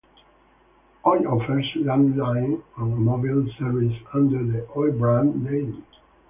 Oi offers landline and mobile services under the Oi brand name.